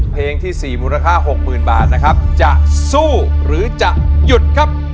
เพลงที่๔มูลค่า๖๐๐๐บาทนะครับจะสู้หรือจะหยุดครับ